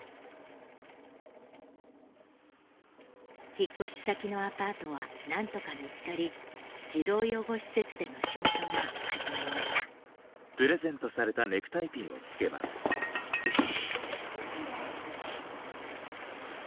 引っ越し先のアパートは何とか見つかり児童養護施設での仕事が始まりましたよし！